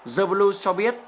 the blues cho biết